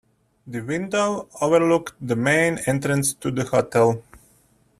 The window overlooked the main entrance to the hotel.